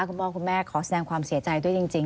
คุณพ่อคุณแม่ขอแสดงความเสียใจด้วยจริง